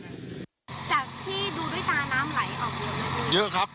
ที่ดูด้วยชาน้ำไหลออกเร็วไม่ดี